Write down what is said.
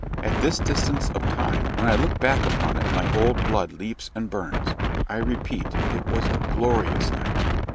At this distance of time, when I look back upon it my old blood leaps and burns. I repeat, it was a glorious night!